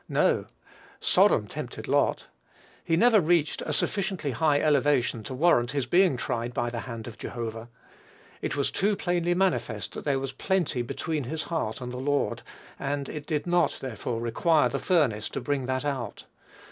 No; Sodom tempted Lot. He never reached a sufficiently high elevation to warrant his being tried by the hand of Jehovah. It was too plainly manifest that there was plenty between his heart and the Lord, and it did not, therefore, require the furnace to bring that out.